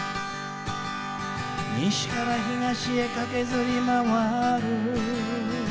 西から東へかけずりまわる」